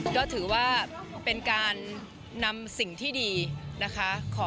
ก็ถือว่าเป็นการนำสิ่งที่ดีนะคะ